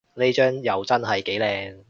呢張又真係幾靚